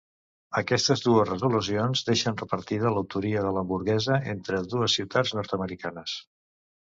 Aquestes dues resolucions deixen repartida l'autoria de l'hamburguesa entre dues ciutats nord-americanes.